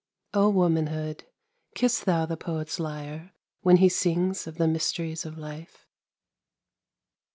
Oh womanhood, kiss thou the poet's lyre, when he sings of the mysteries of life!